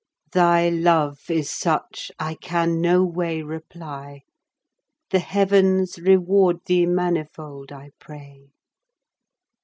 Thy love is such I can no way repay. The heavens reward thee manifold, I pray.